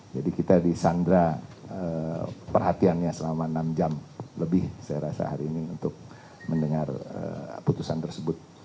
jadi kita disandra perhatiannya selama enam jam lebih saya rasa hari ini untuk mendengar putusan tersebut